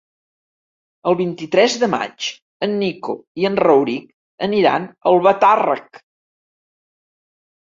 El vint-i-tres de maig en Nico i en Rauric aniran a Albatàrrec.